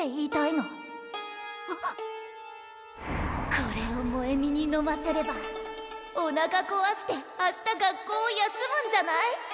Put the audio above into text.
これを萌美に飲ませればおなかこわして明日学校を休むんじゃない？